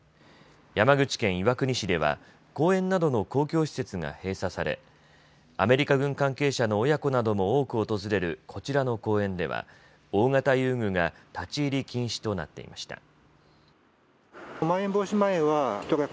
山口県岩国市では公園などの公共施設が閉鎖されアメリカ軍関係者の親子なども多く訪れるこちらの公園では大型遊具が立ち入り禁止となっていました。